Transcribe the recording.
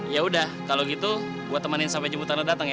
yaudah kalau gitu gue temanin sampai jemputannya dateng ya